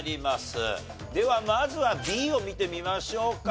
ではまずはＢを見てみましょうか。